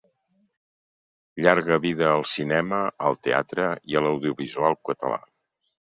Llarga vida al cinema, al teatre i a l’audiovisual català.